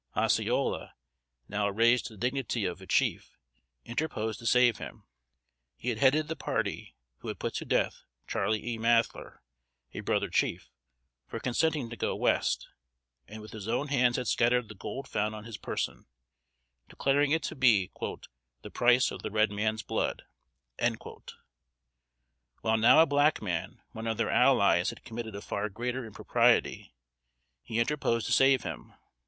Osceola, now raised to the dignity of a chief, interposed to save him. He had headed the party who put to death Charley E. Mathler, a brother chief, for consenting to go West, and with his own hands had scattered the gold found on his person, declaring it to be "the price of the red man's blood:" While now a black man, one of their "allies," had committed a far greater impropriety, he interposed to save him.